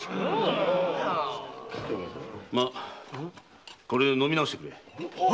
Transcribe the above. まあこれで飲み直してくれ。